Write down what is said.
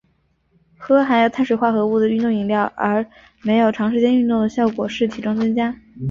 喝含有碳水化合物的运动饮料而没有长时间运动的效果是体重增加。